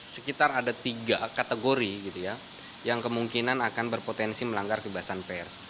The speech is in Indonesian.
sekitar ada tiga kategori gitu ya yang kemungkinan akan berpotensi melanggar kebebasan pers